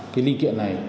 cái linh kiện này